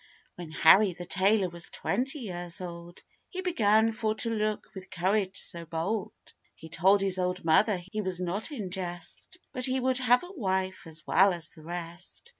] WHEN Harry the tailor was twenty years old, He began for to look with courage so bold; He told his old mother he was not in jest, But he would have a wife as well as the rest.